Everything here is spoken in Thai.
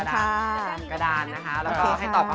ปิดคำถามรู้ใจจริงปะ